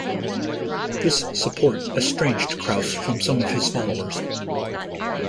This support estranged Kraus from some of his followers.